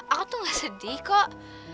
aku tuh gak sedih kok